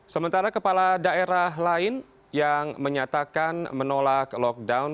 sementara kepala daerah lain yang menyatakan menolak lockdown